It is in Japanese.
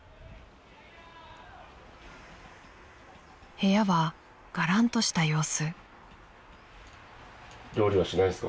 ［部屋はがらんとした様子］